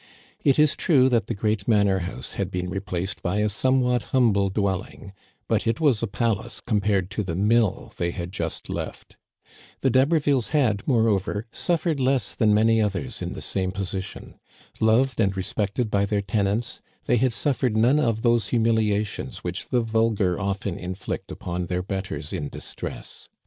It is true that the great manor house had been replaced by a somewhat humble dwelling ; but it was a palace compared to the mill they had just left. The D'Haber villes had, moreover, suffered less than many others in the same position. Loved and respected by their ten ants, they had suffered none of those humiliations which the vulgar often inflict upon their betters in distress.